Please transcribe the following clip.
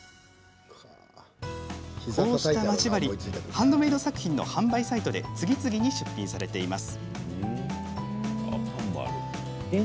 こうした、まち針ハンドメイド作品の販売サイトで次々に出品されています。